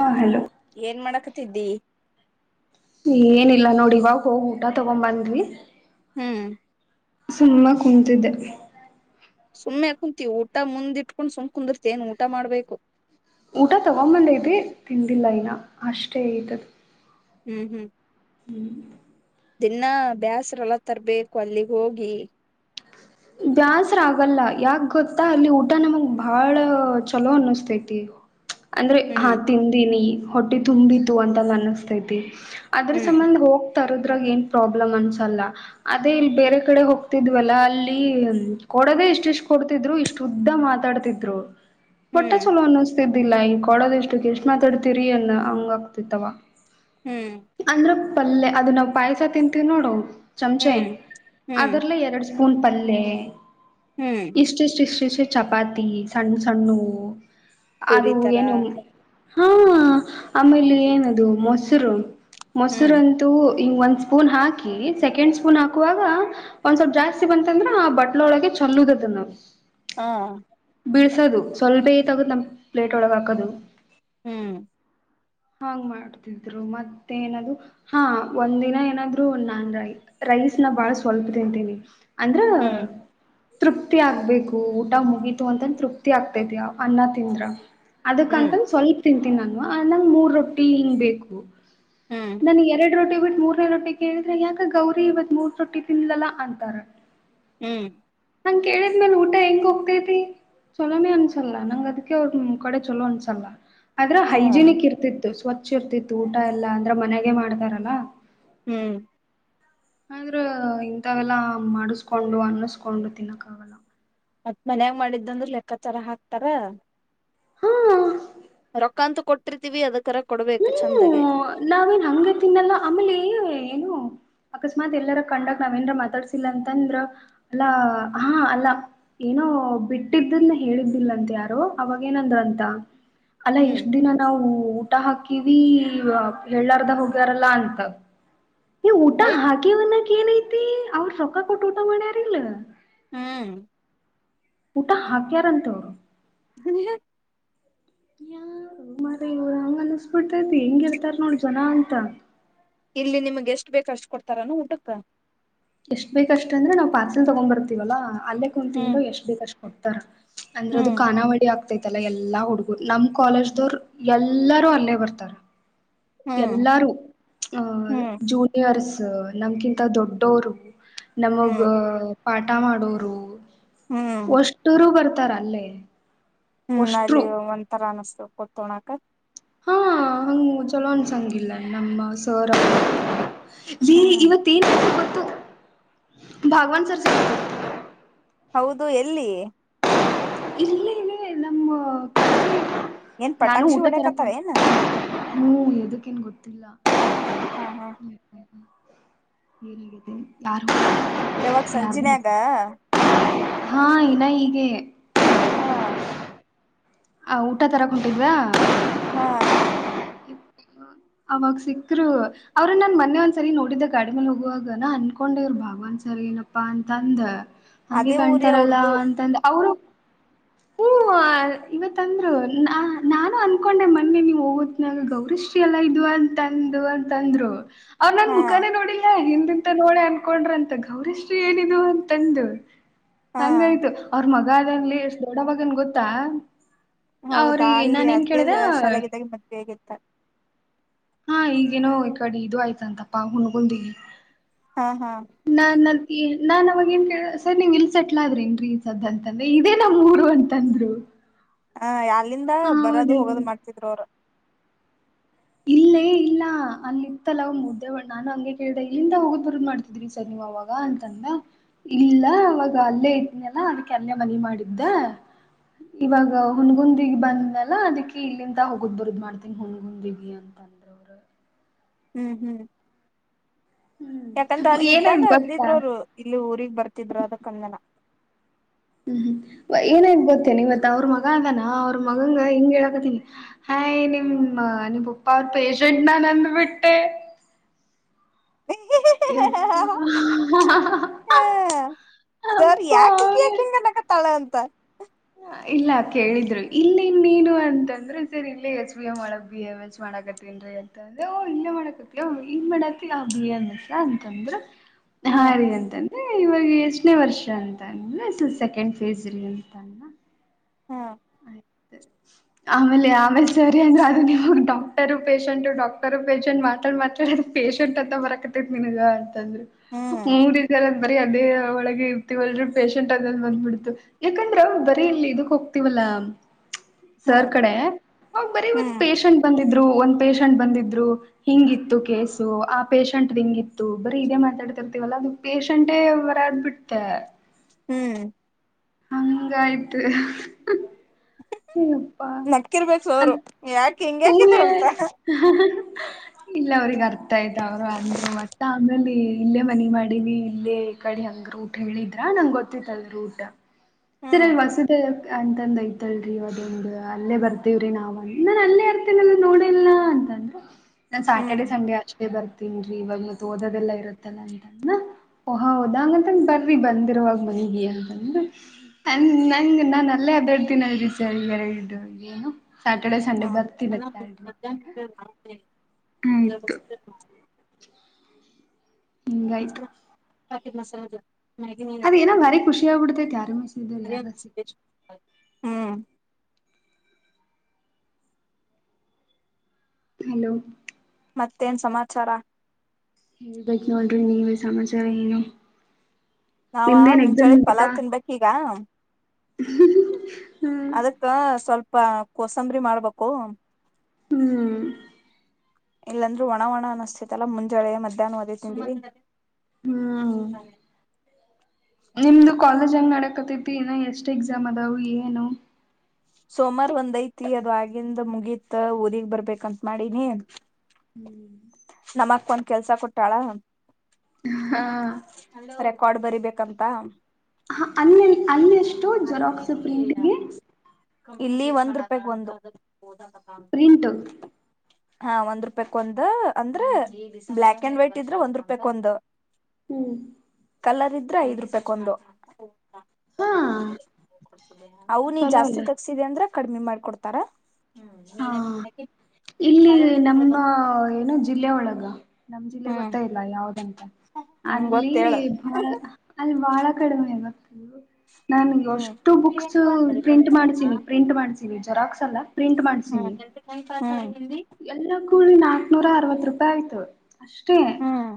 ಹಾ ಹಲೋ ಏನ್ ಮಾಡಾಕತಿದ್ದಿ ಏನಿಲ್ಲ ನೋಡಿ ಇವಾಗ್ ಹೋಗ್ ಊಟ ತಗೊ ಬಂದ್ವಿ. ಹ್ಮ್ ಸುಮ್ಮ ಕುಂತಿದ್ದೆ. ಸುಮ್ಮನೆ ಕುಂತೀವಿ ಊಟ ಮುಂದಿಟ್ಕೊಂಡು ಸುಮ್ ಕುಂದಿರ್ತ ಏನ್ ಊಟ ಮಾಡ್ಬೇಕು. ಊಟ ತಗೊಂಬಲೆ ಇದೆ ತಿಂದಿಲ್ಲ ಇನ ಅಷ್ಟೇ ಇದ. ಹ್ಮ್ ದಿನಾ ಬ್ಯಾಸ್ರಲ್ಲ ತರ್ಬೇಕು ಅಲ್ಲಿಗ್ ಹೋಗಿ. ಬ್ಯಾಸ್ರ ಆಗಲ್ಲ ಯಾಕ್ ಗೊತ್ತಾ ಅಲ್ಲಿ ಊಟ ನಮಗ್ ಬಾಳ ಚಲೋ ಅನ್ನಸ್ತತಿ. ಅಂದ್ರೆ ಹಾ ಹ್ಮ್ ತಿಂದೀನಿ. ಹೊಟ್ಟೆ ತುಂಬಿತ್ತು ಅಂತಲ್ಲಿ ಅನ್ನಿಸ್ತೈತಿ. ಅದ್ರ ಹ್ಮ್ ಸಂಬಂದ್ ಹೋಗ್ ತರದ್ರಾಗ ಏನ್ ಪ್ರಾಬ್ಲಮ್ ಅನ್ಸಲ್ಲ ಅದೇ ಇಲ್ಲಿ ಬೇರೆ ಕಡೆ ಹೋಗ್ತಿದ್ವಲ್ಲ ಅಲ್ ಲ್ಲಿ ಕೊಡದೆ ಇಷ್ಟ ಇಷ್ಟ್ ಕೊಡ್ತಿದ್ರು ಇಷ್ಟು ಉದ್ದ ಮಾತಾಡ್ತಿದ್ರು. ಓಟ್ಟಾ ಹ್ಮ್ ಚಲೋ ಅನ್ನಸ್ತೈತ್ ದಿಲ್ಲ ಈ ಕೊಡೋದ ಎಷ್ಟು ಎಷ್ಟ್ ಮಾತಾಡ್ತಿರಿ ಅನ್ನ ಹಂಗ ಆಗ್ತಿತ್ತವ. ಹ್ಮ್ ಪಲ್ಲೆ ಅದು ನಾವ್ ಪಾಯಸ ತಿಂತೀವಿ ನೋಡು. ಚಮಚೆ ಹ್ಮ್ ಹ್ಮ್ ಅದ್ರಲ್ಲ ಎರ್ಡ್ ಸ್ಫೂ ಸ್ಪೂನ್ ಪಲ್ ಲೇ ಹ್ಮ್ ಇಷ್ಟ್ ಇಷ್ಟ್ ಇಷ್ಟ್. ಚಪಾತಿ ಸಣ್ಣ ಸಣ್ಣ. ಅದು ಪುರಿ ತರ ಏನು. ಹಾ ಆಮೇಲೆ ಏನದು ಮೊಸ್ರು. ಹ್ಮ್ ಮೊಸ್ರಂತೂ ಈ ಒಂದ್ ಸ್ಪೂನ್ ಹಾಕಿ ಸೆಕೆಂಡ್ ಸ್ಪೂನ್ ಹಾಕುವಾಗ ಒಂದ್ ಸ್ವಲ್ಪ ಜಾಸ್ತಿ ಬಂದ್ ಅಂದ್ರೆ ಆ ಬಟ್ಲೊಳಗೆ ಚಲೋದ ಅದುನ್ನ. ಹಾ ಬೀಳ್ಸೋದು ಸ್ವಲ್ಭೇ ತಗದು ನಮ್ಮ ಪ್ಲೇಟ್ ಒಳಗ್ ಹಾಕೋದು. ಹ್ಮ್ ಹಾಂಗ್ ಮಾಡ್ತಿದ್ರು ಮತ್ತೆ ಏನೂ ಹಾ ಒಂದಿನ ಏನಾದ್ರು ನಾನ್ ರೈ ರೈಸ್ ನ ಬಾಳ ಸ್ವಲ್ಪ ತಿಂತೀನಿ. ಅಂದ್ರ ಹ್ಮ್ ತೃಪ್ತಿ ಆಗ್ಬೇಕು ಊಟ ಮುಗೀತು ಅಂತ ತೃಪ್ತಿ ಆಗ್ತೈತಿಯ ಅನ್ನ ತಿಂದ್ರ. ಹ್ಮ್ ಅದಕಂತನ್ ಸ್ವಲ್ಪ್ ತಿನ್ ತಿ ನಾನು ನಂಗ್ ಮೂರ್ ರೊಟ್ಟಿ ಹಿಂಗ್ ಬೇಕು. ಹ್ಮ್ ನನ್ಗೆ ಎರ್ಡ್ ರೋಟಿ ಕೋಡ್ ಮೂರನೇ ರೊಟ್ಟಿ ಕೇಳಿದ್ರೆ ಯಾಕ ಗೌರಿ ಇವತ್ ಮೂರ್ ರೊಟ್ಟಿ ತಿನ್ಲಾ ಅಂತಾರ. ಹ್ಮ್ ನಂಗ ಕೇಳಿದ್ಮೇಲ್ ಊಟ ಹೆಂಗ ಹೋಗ್ತೇತಿ ಚೊಲೋನೇ ಅನ್ಸಲ್ಲ ನಂಗ್ ಅದಕ ಅವ್ರ ಕಡೆ ಚಲೋ ಅನ್ಸಲ್ಲ. ಅದ್ರ ಹಾ ಹೈಜಿನಿಕ್ ಇರ್ತಿತ್ತು ಸ್ವ ಹಚ್ಚಿರ್ತಿತ್ತು ಊಟ ಎಲ್ಲ ಅಂದ್ರೆ ಮನೆಗೆ ಮಾಡ್ತಾರಲ್ಲ. ಹ್ಮ್ ಆದ್ರ ಇಂಥವೆಲ್ಲಾ ಮಾಡಸ್ಕೊಂಡು ಅನ್ನಸ್ಕೊಂಡು ತಿನ್ನಕ್ಕಾಗಲ್ಲ. ಮತ್ ಮನ್ಯಾಗ ಮಾಡಿದ್ದಂದ್ರ ಲೆಕ್ಕಾಚರ ಹಾಕ್ತಾರ. ಹಾ ರೊಕ್ಕ ಅಂತ ಕೊಟ್ಟಿರ್ತಿವಿ ಅದ ಕರೆಕ್ ಹ್ಮ್ ನಾವೇನ್ ಹಂಗ ತಿನ್ನಲ್ಲ ಆಮೇಲೆ ಏನು. ಅಕಸ್ಮಾತ್ ಎಲ್ಲರ ಕಂಡಕ್ ನಾವೇನ್ರ ಮಾತಾಡ್ಸಿಲ್ಲ ಅಂತಂದ್ರ ಅಲ್ಲಾ ಹಾ ಅಲ್ಲಾ ಏನೋ ಬಿಟ್ಟಿದ್ದನ ಹೇಳಿದ್ದಿಲ್ಲಂತ ಯಾರೊ ಅವಾಗ ಏನಂದ್ರ ಅಂತ. ಅಲ್ಲ ಹ್ಮ್ ಇಷ್ಟ್ ದಿನ ನಾವು. ಊಟ ಹಾಕ್ ಕಿವಿ ಎಳ್ಳಹರ್ದ್ ಹೋಗ್ಯಾರಲ್ಲ ಅಂತ. ಈ ಊಟ ಐ ಹಾಕಿವನ್ನ. ಏನೈತಿ ಅವ್ರ ಸೊಕ್ಕ ಕೊಟ್ ಊಟ ಮಾಡ್ಯಾರಿಲ್ಲ. ಹ್ಮ್ ಊಟ ಹಾಕ್ಯಾರಂತ್ ಅವ್ರು. ಹನ್ಯ. ಯಾ ಮಾರ ಇವ್ರ ಹಂಗ ಅನಿಸಬಿಡ್ತೈತಿ ಹೆಂಗಿರ್ತಾರ ನೋಡ್ ಜನ ಅಂತ. ಇಲ್ಲಿ ನಿಮ್ಗೆ ಎಷ್ಟ ಬೇಕ ಅಷ್ಟ ಕೊಡ್ತಾರಾನ ಊಟಕ್ಕ. ಎಷ್ಟ್ ಬೇಕಕ್ಷ್ಟ ಅಂದ್ರೆ ನಾವ್ ಪಾರ್ಸೆಲ್ ತಗೊಂಡ್ ಬರ್ತೀವಲ್ಲಾ. ಅಲ್ಲೇ ಹ್ಮ್ ಕುಂತಿಂದ್ರು ಎಷ್ಟ ಬೇಕಷ್ ಉತ್ತರ. ಅಂದ್ರ ಅದು ಹ್ಮ್ ಖಾನಾವಳಿ ಆಗ್ತೈತಿ. ಎಲ್ ಎಲ್ಲಾ ಹುಡುಗುರು ನಮ್ ಕಾಲೇಜ ದವರ್ ಎಲ್ಲಾರೂ ಅಲ್ಲೇ ಬರ್ತಾರ. ಹ್ಮ್ ಎಲ್ಲಾರು ಆ ಹ್ಮ್ ಜೂನಿಯರ್ಸ್. ನಮ್ಗಿಂತ ದೊಡ್ಡೋರು. ನಮಗ. ಹ್ಮ್ ಪಾಠ ಮಾಡೋರು ಹ್ಮ್ ಒಷ್ಟೂರು ಬರ್ತ ತಾರ ಅಲ್ಲೇ ಹ್ಮ್ ಒಷ್ಟ್ರು ಅಲ್ಲಿ ಒಂತರ ಅನ್ಸ್ತು. ಕೊಡ್ತೋಣಾಕ. ಹಾ ಹಂಗ್ ಚಲೋ ಅನ್ಸಂಗಿಲ್ಲ ನಮ್ಮ ಸರ್ ರಿ ಹ್ಮ್ ಇವತ್ತೇನ್ ಗೊತ್ ಭಾಗವನ್ ಸರ್ಸ. ಹೌದು ಎಲ್ಲಿ. ಇಲ್ಲೇ ನೇ ನಮ್ಮ ಏನ್ ನಾನು ಪಟಾಕ್ಷಿ ಊಟ ಹೊಡ್ಯಾಕತ್ತಾರ ತರಕೊಂಡ ಏನ ಹೂಂ ಎದಕ್ಕೇನ್ ಗೊತ್ತಿಲ್ಲ ಹಾ ಹಾ [unintelligible] ಯಾವಾಗ ಯಾರ್ದು ಸಂಜಿನಾಗ ಗೊತ್ತಿಲ್ಲ ಹಾ ಇಲ್ಲ ಹೀಗೆ ಹಾ ಆ ಊಟ ತರಾಕೊಂಟಿದ್ವಾ ಹಾ ಅವಾಗ ಸಿಕ್ಕರು ಅವ್ರ ನನ್ ಮೊನ್ನೆ ಒಂದ್ಸರಿ ನೋಡಿದ್ದ ಗಾಡಿ್ಮೇಲ್ ಹೋಗುವಾಗ ನಾ ಅನ್ಕೊಂಡೆವ್ರು ಭಾಗವಾನ ಸರ್ ಏನಪ್ಪಾ ಅಂತಂದ ಹಂಗೆ ಅದೇ ಊರಿ ಕಾಣ್ತಾರಲ್ಲ ಅವ್ರದು ಅಂತಂದ್ರ ಅವರು ಹೂ ಇವತ್ತಂದ್ರು ನಾ ನಾನು ಅಂದ್ಕೊಂಡೆ ಮೊನ್ನೆ ನೀವು ಹೋಗತ್ನಾಗ ಗೌರಿಶ್ರೀ ಎಲ್ಲ ಇದು ಅಂತಂದು ಅಂತಂದ್ರು ಅವ್ರ ನನ್ ಹಾ ಮುಖಾನೇ ನೋಡಿಲ್ಲಾ ಅಂತ ನೋಡ ಅನ್ಕೊಂಡ್ರ ಅಂತ ಗೌರಿಶ್ರೀ ಏನಿದ ಅಂತಂದು ಹಾ ಹಂಗ ಆಯ್ತು ಅವ್ರ ಮಗ್ ಮಗಾ ಅದಾನ್ಲೇ ಎಷ್ಟ್ ದೊಡ್ಡವಾಗನ್ ಗೊತ್ತಾ ಹೌದಾ ಅವ್ರಿಗೆ ಅಲ್ಲಿ ನಾನ ಏನ್ ಅದೇ ಕೇಳ್ದ ಶಾಲಾಗಿದ್ದಾಗೆ ಮದ್ವೆ ಆಗಿತ್ತ ಹಾ ಈಗೇನೋ ಈ ಕಡೆ ಇದು ಆಯ್ತಂತಪ್ಪಾ ಹುನಗುಂದಿಗೆ ಹಾ ಹಾ ನಾನ್ ಅವಾಗ ಏನ್ ಕೇಳ್ದೆ ಸರ್ ನೀವ್ ಇಲ್ಸೆಟ್ಲ ಆದ್ರಿ ಏನ್ರೀ ಸದ್ಯ ಅಂತಂದ್ರೆ ಇದೇ ನಮ್ಮೂರು ಅಂತಂದ್ರು ಹಾ ಅಲ್ಲಿಂದ ಬರೋದು ಹೌದೇನ ಹೋಗೋದು ಮಾಡ್ತಿದ್ರು ಅವ್ರ ಇಲ್ಲೇ ಇಲ್ಲ ಅಲ್ಲಿ ಇತ್ತಲ್ಲ ಅವ ಮುದ್ದೆ ನಾನು ಹಂಗೆ ಕೇಳ್ದ ಇಲ್ಲಿಂದ ಹೋಗುದ್ ಬರುದ್ ಮಾಡ್ತಿದ್ರಿ ಸರ್ ನೀವ್ ಅವಾಗ ಅಂತಂದೆ ಇಲ್ಲ ಅವವಾಗ ಅಲ್ಲೇ ಇದ್ನಲ್ಲ ಅದಕ್ಕೆ ಅಲ್ಲೇ ಮನ ಮಾಡಿದ್ದೆ ಇವಾಗ ಹುನಗುಂದಿಗ್ ಬಂದ್ನೆೆಲ್ಲ ಅದಿಕ್ಕೆ ಇಲ್ಲಿಂದ ಹೋಗುದ್ ಬರುದ್ ಮಾಡ್ತನಿ ಹುಣಗುಂದಿಗ್ [unintelligible] ಹ್ಮ್ ಹ್ಮ್ ಹ್ಮ್ ಯಾಕಂದ್ರ ಅಲ್ಲ ಇದ್ದಾಗ ಏನಾಯ್ತ್ ಗೊತ್ತಾ ಅಂದಿದ್ರ ಅವರು ಇಲ್ಲಿ ಊಗ್ ಬರ್ತಿದ್ರು ಅದಕ್ಕಂದೆನಾ ಹ್ಮ್ ಹ್ಮ್ ಏನ್ಆಯ್ತ್ ಗೊತ್ತೇನ ಇವತ್ ಅವ್ರ ಮಗ ಅದಾನ ಅವ್ರ ಮಗಂಗ ಹಿಂಗ್ ಹೇಳಕತೀನಿ ಹಾಯ ನಿಮ್ ಪಪ್ಪ ಅವ್ರ ಪೇಶಂಟ್ ನಾನ್ ಅಂದಬಿಟ್ಟೆ. ಎಪ್ಪ ಸರ್ ಯಾಕ ಇಕಿ ಯಾಕ ಹಿಂಗ್ ಅನ್ನಕತ್ತಾಳ ಅಂತ. ಇಲ್ಲ ಕೇಳಿದ್ರು ಇಲ್ಲಿ ಏನ್ ನೀನು ಅಂತಂದ್ರ ಸರ್ ಇಲ್ಲೇ ಎಚ್ ಬಿ ಎಮ್ ಒಳಗ್ ಬಿ ಎಮ್ ಎಚ್ ಮಾಡಕತ್ತನ್ರಿ ಅಂತಂದ್ರೆ ಓ ಇಲ್ಲೇ ಮಾಡಕತ್ತ ಇನ್ ಮಾಡತ್ತ ಆ ಬಿ ಎಮ್ ಎಸ್ ಅಂತಂದ್ರು. ಹಾ ರಿ ಅಂತನ್. ಏ ಇವಾಗ ಎಷ್ಟನೇ ವರ್ಷ ಅಂತ ಅಂದ್ರ ಸೆಕೆಂಡ್ ಪೀ ಯು ಸಿ ರೀ ಅಂತ ಅಂದ್ನಾ ಹಾ ಆಮೇಲೆ ಆಮೇಲೆ ಸಾರಿ ಅಂದ್ರೂ ಅದು ನಿಮಗ್ ಡಾಕ್ಟರು ಪೇಶಂಟ್ ಡಾಕ್ಟರು ಪೇಶಂಟ್ ಮಾತಾಡ್ ಮಾತಾಡೀ ಅದ ಪೇಶಂಟ್ ಅಂತ ಬರಕತ್ತೈತ್ ನಿನ್ಗ ತಂದ್ರ ಹ್ಮ್ ಹೂಂ ರೀ ಸರ ಬರಿೀ ಅದೇ ಒಳಗೆ ಇರ್ತಿೀವಲ್ರ ಪೇಷಂಟ್ ಅದಲ್ ಬಂದ್ಬಿಡ್ತು ಯಾಕಂದ್ರ ಬರೀ ಇಲ್ಲಿ ಇದು ವಲ್ಲ ಸರ್ ಹ್ಮ್ ಕಡೆ ಅವ ಬರೀ ಒಂದ್ ಹ್ಮ್ ಪೇಷಂಟ್ ಬಂದಿತ್ ಇದ್ರು ಒಂದ್ ಪೇಶಂಟ್ ಬಂದಿದ್ರು ಹಿಂಗಿತ್ತು ಕೇಸು ಆ ಪೇಷಂಟ್ ಹಿಂಗಿತ್ತು ಬರೀ ಇದೇ ಮಾತಾಡ್ತಿರ್ತೀವಲ್ಲಾ ಅದು ಪೇಷಂಟೇ ಬರದ್ ಬಿಡ್ತಾ. ಹ್ಮ್ ಹಂಗಾಯ್ತು. ಯಪ್ಪಾ ನಕ್ಕಿರ್ಬೇಕು ಸೋರು ಅದ್ ಯಾಕ ಹಿಂಗ್ಯಾಕ ಇದು ಹಂಗೆ ಅಂತ್ ಇಲ್ಲ ಅವ್ರಗ್ ಅರ್ಥ ಆಯ್ತ ಅವರ ಅಂದ್ರ ಮತ್ತ್ ಆಮೇಲೆ ಇಲ್ಲೇ ಮನಿ ಮಾಡಿವಿ ಇಲ್ಲೇ ಕಡೆ ಹಂಗ ರೂಟ್ ಹೇಳಿದ್ರ ನಂಗ ಗೊತ್ತಿತ್ತ ಅದ ರೂಟ್ ಹ್ಮ್ ಸರಲ್ಲಿ ಮಸೂದೆ ಅಂತಂದ ಐತಲ್ರರಿ ಅದು ಅಲ್ಲೇ ಬರ್ತೇವ್ರಿ ನಾವ್ ನಾನ್ ಅಲ್ಲೇ ಇರ್ತೀನ್ ಸಲಾ ನು ನೋಡಿಲ್ಲ ಅಂತಂದ್ರು ನಾನ್ ಸಾಟರ್ಡೆ ಹ್ಮ್ ಸಂಡೆ ಅಷ್ಟೇ ಬರ್ತೀನಿ ಇವಾಗ ಮತ್ತ ಓದೋದೆಲ್ಲ ಇರುತ್ತಲ್ಲ ಅಂತಂದ ಓಹಾ ಹೋದ ಹಂಗಂತಂದ ಬರ್ರಿ ಬಂದಿರವಾಗ ಮನಗಿ ಅಂತಂದ್ರ ನಂಗ ನಾನ ಅಲ್ಲೇ ಅಡ್ಡ್ಯಾಡ್ತೀನಿ [unintelligible] ಸ್ಯಾಟರ್ಡೆ ಸಂಡೆ ಬ ಆಯ್ತು [unintelligible] ಹ ಮತ್ತ್ ಇನ್ನೊಂದ್ಸಲ ಹೇಳ್ ಅದೇನೋ ಭಾರಿ ಖುಷಿಯಾಗಿ ಬಿಡತೈತಿ ಯಾರಮೇ ಸಾರೆ ಯಾರ ಸಿ ಹಲೋ ಮತ್ತೇನ್ ಸಮಾಚಾರ. ಹೇಳ್ಬೇಕ ನೋಡ್ರಿ ನೀವೇ ಸಮಾಚಾರ ಏನು. ನಾವ ನಿಮ್ದೇನ್ ಮುಂಜಾಳೆದ ಪಲಾವ್ ತಿನ್ಬೇಕೀಗ ಹಂ ಹಂ ಅದಕ್ಕ ಸ್ವಲ್ಪ ಕೊಸಂಬರಿ ಮಾಡ್ಬೇಕು. ಹ್ಮ್ ಇಲ್ಲಂದ್ರು ಒಣ ಒಣ ಅನ್ನಿಸ್ತತಲ್ಲಾ ಮುಂಜಳೆ ಮಧ್ಯಾಹ್ನವದೇ ತಿಂದಿರಿ. ಸ್ ಹ್ಮ್ ಕಾರ್ಯ ನಿಮ್ದು ಕಾಲೇಜ್ ಹೆಂಗ್ ನಡೆ ಕತತಿ ಇನ್ನ ಎಷ್ಟ್ ಎಕ್ಸಾಮ್ ಅದಾವ್ ಏನು. ಸೋಮಾರ ಒಂದ್ ಐತಿ ಅದು ಆಗಿಂದ ಮುಗೀತ್ ಊರಿಗ್ ಬರ್ಬೇಕಂತ ಮಾಡಿನಿ. ಹ್ಮ್ ನಮಕ್ ಒಂದ ಕೆಲ್ಸ ಕೊಟ್ಟಾಳ. ಹಾ ರೆಕಾರ್ಡ್ ಬರಿಬೇಕಂತ. ಹ ಅನ್ಯ ಅಲ್ಲಿ ಎಷ್ಟು ಜೆರಾಕ್ಸ್ ಪ್ರಿಂಟಿಗೆ? ಇಲ್ಲಿ ಒಂದ್ ರೂಪಾಯಕ್ ಒಂದು. ಹೌದಾ ಬತ್ತಾಮ್ ಪ್ರಿಂಟು ಹಾ ಒಂದ್ ರೂಪಾಯ್ಕ್ ಒಂದ್ ಅಂದ್ರೆ ಬ್ಲಾಕ್ ಅಂಡ್ ವೈಟ್ ಇದ್ರೆ ಒಂದ್ ರೂಪಾಯ್ಕ್ ಒಂದ. ಹ್ಮ್ ಕಲರ್ ಇದ್ರೆ ಐದ್ ರೂಪೈಕ್ ಒಂದು. ಹಾ [unintelligible] ಅವು ನೀ ಚಲೋ ಜಾಸ್ತಿ ಅಲ್ಲ ತಕ್ಸಿದಿ ಅಂದ್ರ ಕಡಮಿ ಮಾಡ್ಕೊಡ್ತಾರ. ಹಾ ಇಲ್ಲಿ ನಮ್ಮ ಏನ ಜಿಲ್ಲೆ ಒಳಗ. ನಮ್ ಜಿಲ್ಲೆ ಹ್ಮ್ ಗೊತ್ತ ಇಲ್ಲ ಯಾವ್ದಂತ ಹ್ಮ್ ಅಲ್ಲಿ ಗೊತ್ತೇಳ ಬಾ ಅಲ್ ಬಾಳ. ಕಡ್ಮೆ ಇವತ್ತು. ನನ್ ಹ್ಮ್ ಯೊಷ್ಟ ಬುಕ್ಸು ಪ್ರಿಂಟ್ ಮಾಡ್ಸಿನಿ ಪ್ರಿಂಟ್ ಮಾಡ್ಸಿ ಜೆರಾಕ್ಸ್ ಅಲ್ಲ ಪ್ರಿಂಟ್ ಮ ಹು [unintelligible] ಹು ಎಲ್ಲ ಕೊಳಿ ನಾಕ್ನೂರ ಅರ್ವತ್ ರೂ ಪಾ ಆಯ್ತು. ಅಷ್ಟೇ ಹ್ಮ್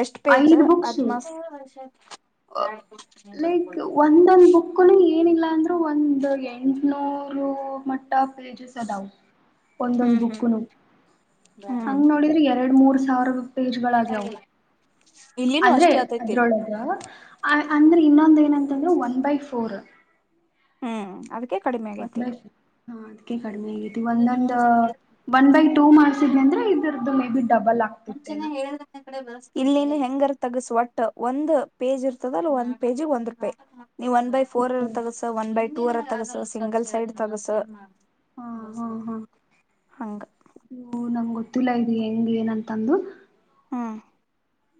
ಎಷ್ಟ್ ಪೇಜ ಐದ್ ಬುಕ್ಸು ಅದ್ಮಸ್. ಲೈಕ್ ಒಂದೊಂದ್ ಬುಕ್ಕನು ಏನಿಲ್ಲ ಅಂದ್ರು ಒಂದ್ ಎಂಟ್ ನೂರು ಮೊಟ್ಟ ಪೇಜು ಸದವು. ಒಂದೊಂದ್ ಹ್ಮ್ ಹ್ಮ್ ಬುಕ್ಕನು ಹ್ಮ್ ಹಂಗ ನೋಡಿದ್ರ ಎರ್ಡ ಮೂರ್ ನೌರಗು. ಪೇಜ್ಗಳಾಗ್ಯವ್ ಇಲ್ಲಿನೂ ಅಂದ್ರೆ ಅಷ್ಟೇ ಆತೈತಿ ಅದ್ರೊಳ್ಗ ಅ ಅನ್ರಿ. ಇನ್ನೊಂದ ಏನಂತಂದ್ರೆ ಒನ್ ಬೈ ಫೋರ್. ಹ್ಮ್ ಅದಕ್ಕೆ. ಕಡಿಮೆ ಒನ್ ಆಗೈತಿ. ಬೈ ಫೋರ್ ಹಾ ಅದಕ್ಕೆ. ಕಡಿಮೆ ಆಗತಿ ಒಂದೊಂದ್ ಒನ್ ಬೈ ಟೂ ಮಾಡ್ಸಿಡ್ನ ಅಂದ್ರೆ ಇದ್ರದ್ದ ಮ. ಮುಂಚೆನೆ ಹೇಳಿದನೆ ಕಡೆ ಬಸ್ ಇಲ್ಲ ಇಲ್ಲ ಹೆಂಗರ್ ತಗಸ ಒಟ್ಟ ಒಂದ್ ಪೇಜ್ ಇರ್ತದ ಅಲ್ ಒಂದ್ ಪೇಜಿಗ್ ಒಂದ್ ರೂಪಾಯಿ. ನೀ ಒನ್ ಬೈ ಫೋರ್ ರ ತೇಗಸ ಒನ್ ಬೈ ಟೂ ಅರ ತಗಸ ಸಿಂಗಲ್ ಸೈಡ್ ತಗಸ. ಹಾ ಹಾ ಹಾ ಹಂಗ. ತುಲಾ ಇದ್ ಹೆಂಗ್ ಏನಂತಂದು. ಹ್ಮ್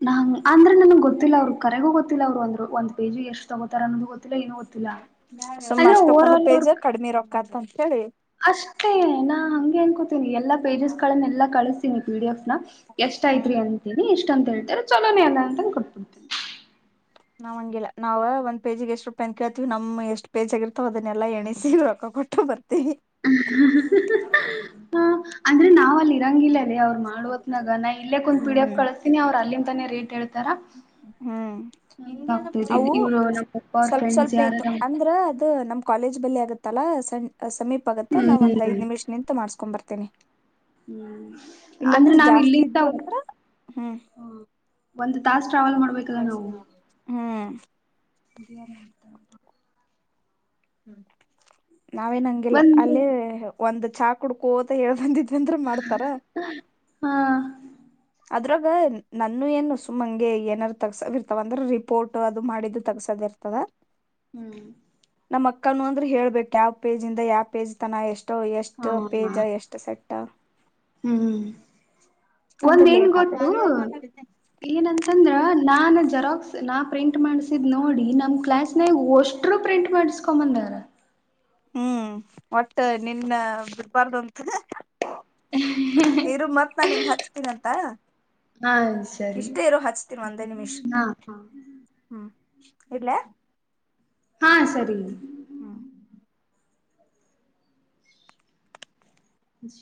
ನಂಗ ಅಂದ್ರೆ ನನ್ಗೆ ಗೊತ್ತ. ಗೊತ್ತಿಲ್ಲ ಅವ್ರರು ಕರೆಗೂ ಗೊತ್ತಿಲ್ಲ ಅವರು ಒಂದರು ಒಂದ ಪೇಜ ಎಷ್ಟ ತಗೋತ ಅನ್ನೋದು ಗೊತ್ತಿಲ್ಲ. ಏನು ಗೊತ್ತಿಲ್ಲ ಸುಮ್ ಅಂದ್ರೆ ಓವರ್ ಅಷ್ಟಕ್ಕನು ಆಲ್ ಪೇಜ ಅವ್ರ ಕಡ್ಮೆ ರೊಕ್ಕಾತವ. ಸಡೆ [inaudible] ಅಷ್ಟೇ ನಾ ಹಂಗೆ ಅನ್ಕೋತೀನಿ ಎಲ್ಲಾ ಪೇಜಸ್ ಗಳನ್ನೆಲ್ಲಾ ಕಳಿಸತೀನಿ ಪಿ ಡಿ ಎಫ್ ನ. ಎಷ್ಟ ಹ್ಮ್ ಐತ್ರಿ ಅಂತೀನಿ ಇಷ್ಟ. ಇಷ್ಟ ಅಂತ ಹೇಳ್ತಾರೆ ಚಲೋನೇ ಅಲ್ಲ ಅಂತಂದ ಕೊಟ್ಬಿಡ್ತೇನಿ. ನಾವ್ಂಗಿಲ್ಲ ನಾವ್ ಒಂದ್ ಪೇಜಿಗೆ ಎಷ್ಟ್ ರೂಪಾಯಿ ಅಂತ ಕೇಳ್ತೀವಿ ನಮ್ ಎಷ್ಟ್ ಪೇಜಿ ಆಗಿರ್ತವ ಅದನ್ನೆಲ್ಲ ಎಣಸಿ ರೊಕ್ಕ ಕೊಟ್ಟ ಬರ್ತೀವಿ. ಹ ಅಂದ್ರೆ ನಾವಲ್ಲಿ. ಇರಂಗಿಲ್ಲದೇ ಅವ್ರು ಮಾಡುವತ್ನಾಗ ನಾ ಇಲ್ಲಕ್ಕ ಕುಂದ್ ಪಿ ಡಿ ಎಫ್ ಹ್ಮ್ ಕಳಸ್ತೀನಿ ಅವರು ಅಲ್ಲಿಂತಾನೇ ರೇಟ್ ಹೇಳ್ತಾರ ಹ್ಮ್ ಹಂಗ ಅಗತೈತಿ ಅವು ಇವರು ನಮ್ಮ್ ಪಪ್ಪ ಅವ್ರ ಸ್ವಲ್ಪ ಫ್ರೆಂಡ್ಸ್ ಸ್ವಲ್ಪ ಇದ್ದು ಯಾರಾರ. ಅಂದ್ರ ಅದು ನಮ್ ಕಾಲೇಜ್ ಬಲ್ಲಿ ಆಗುತ್ತಲ್ಲ ಸಣ್. ಸಮೀಪ ಆಗತ್ತ ನಾ ಒಂದ್ ಐದ ಹ್ಮ್ ನಿಮಿಷ ನಿಂತ ಮಾಡ್ಸಕೊಂಡ ಬರ್ತನೀ. ತಿನಿ ಹ್ಮ್ ಅಂದ್ರೆ ಇಲ್ಲಾಂದ್ರೆ ನಾವ್ ಜಾಸ್ತಿ ಇಲ್ಲಿಂದ ಇದ್ದ ಅಂದ್ರ ಹ್ಮ್. ಒಂದು ತಾಸ್. ಹ್ಮ್. ಇದು ಯಾರ ಮಾಡ್ತಾರ ಊಟ. ಹ್ಮ್. ನಾವೇನ್ ಹಂಗಿಲ್ಲ ಒಂದ್ ಅಲ್ಲೇ. ಒಂದ್ ಚಾ ಕುಡ್ಕೋತ ಹೇಳ್ ಬಂದಿದ. ನಿಂದ್ರ ಮಾಡ್ತಾರ. ಹಾ ಅದ್ರಲೋಗ ನನ್ನು ಏನ ಸುಮ್ಮಂಗೆ ಏನರ ತೆಗಿಸೋವ ಇರ್ತವ ಅಂದ್ರ ರಿಪೋರ್ಟ್ ಅದು ಮಾಡಿದ್ದ ತೆಗಸೋದ ಇರ್ತದ. ಹ್ಮ್. ನಮ್ಮ್ ಅಕ್ಕನು ಅಂದ್ರ ಹೇಳ್ಬೇಕು ಯಾವ ಪೇಜ್ ಇಂದ ಯಾವ ಪೇಜ್ ತನ ಎಷ್ಟ್. ಇರೋ ಎಷ್ಟು ಪೇಜ ಎಷ್ಟು ಸೆಟ್. ಹ್ಮ್್ಮ ಅಂದ್ರ ಒಂದೇನ್ ಲೇಟ್ ಗೊತ್ತು ಆತದ ಏನಂತಂದ್ರ ನಾ ಜೆರಾಕ್ಸ್ ನಾ ಪ್ರಿಂಟ್ ಮಾಡ್ಸಿದ್ ನೋಡಿ ನಮ್ ಕ್ಲಾಸ್ನಾಗ ಓಷ್ಟರು ಪ್ರಿಂಟ್ ಮಾಡಸ್ಕೊಂಬಂದಾರ ಹ್ಮ್ ಒಟ್ಟು ನಿನ್ನ ಬಿಡ್ಬಾರ್ದು ಇರು ಮತ್. ನಾ ನಿಂಗ ಹಚ್ತೀನಂತ. ಹಾ ಸರಿ ಇಷ್ಟೇ ಇರು ಹಚ್ತೀನಿ ಒಂದೇ ನಿಮಿಷ ಹ. ಹ್ಮ್ ಇಡ್ಲ ಹಾ ಸರಿ. ಹ್ಮ.